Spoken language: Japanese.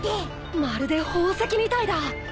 まるで宝石みたいだ！